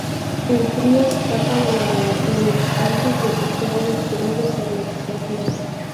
El trío escapa del laboratorio antes de que sea destruido por la explosión.